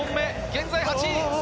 現在８位。